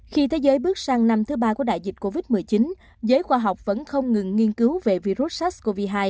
khi thế giới bước sang năm thứ ba của đại dịch covid một mươi chín giới khoa học vẫn không ngừng nghiên cứu về virus sars cov hai